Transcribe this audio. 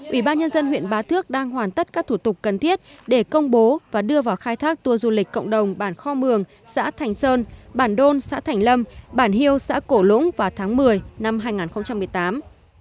ủy ban nhân dân huyện bá thước đang hoàn tất các thủ tục cần thiết để công bố và đưa vào khai thác tour du lịch cộng đồng bản kho mường xã thành sơn bản đôn xã thành lâm bản hiêu xã cổ lũng vào tháng một mươi năm hai nghìn một mươi tám